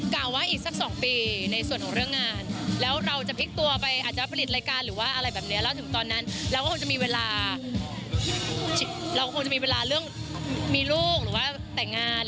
กล่าวว่าอีกสัก๒ปีในส่วนของเรื่องงาน